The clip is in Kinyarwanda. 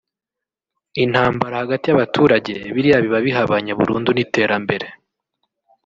intambara hagati y’abaturage biriya biba bihabanye burundu n’iterambere